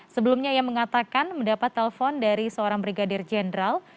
sebelumnya ia mengatakan mendapat telpon dari seorang brigadir jenderal